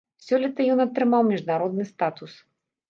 Сёлета ён атрымаў міжнародны статус.